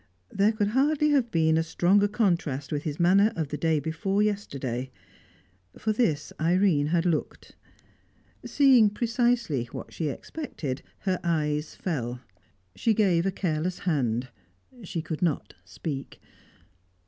There could hardly have been a stronger contrast with his manner of the day before yesterday. For this Irene had looked. Seeing precisely what she expected, her eyes fell; she gave a careless hand; she could not speak.